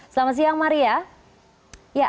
selamat siang maria